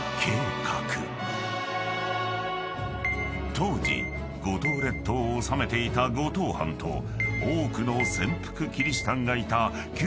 ［当時五島列島を治めていた五島藩と多くの潜伏キリシタンがいた九州本土にある大村藩］